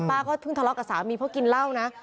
เพิ่งทะเลาะกับสามีเพราะกินเหล้านะ